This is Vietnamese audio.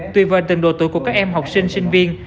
tùy vào từng độ tuổi của các em học sinh sinh viên